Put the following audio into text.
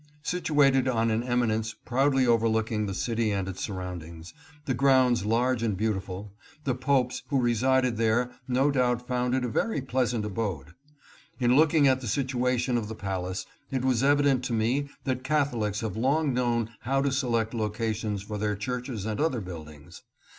Situated on an eminence proudly over looking the city and its surroundings, the grounds large and beautiful, the popes who resided there no doubt found it a very pleasant abode. In looking at the situation of the palace, it was evident to me that Catholics have long known how to select locations for their churches and other buildings.